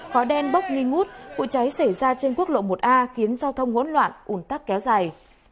khói đen bốc nghi ngút vụ cháy xảy ra trên quốc lộ một a khiến giao thông hỗn loạn ủn tắc kéo dài